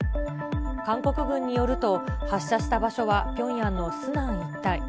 韓国軍によると、発射した場所はピョンヤンのスナン一帯。